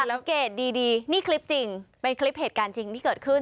สังเกตดีนี่คลิปจริงเป็นคลิปเหตุการณ์จริงที่เกิดขึ้น